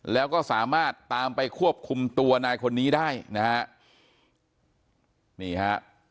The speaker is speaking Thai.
แล้วก็สามารถตามไปควบคุมตัวนายคนนี้ได้นะฮะนี่ฮะ